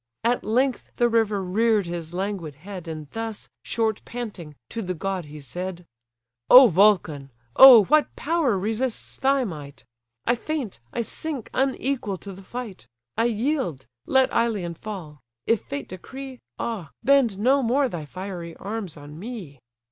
At length the river rear'd his languid head, And thus, short panting, to the god he said: "Oh Vulcan! oh! what power resists thy might? I faint, I sink, unequal to the fight— I yield—Let Ilion fall; if fate decree— Ah—bend no more thy fiery arms on me!"